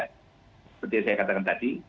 seperti yang saya katakan tadi